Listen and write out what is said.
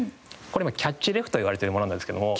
これキャッチレフといわれてるものなんですけども。